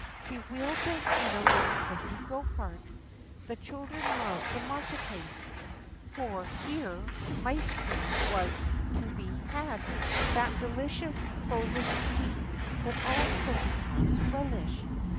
She wheeled them in a little pussy go cart. The children loved the market place for here mice cream was to be had, that delicious frozen sweet that all pussycats relish.